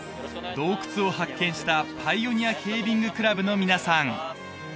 洞窟を発見したパイオニアケイビングクラブの皆さん